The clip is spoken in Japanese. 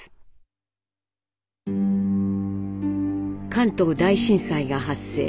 関東大震災が発生。